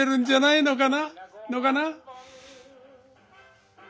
のかな？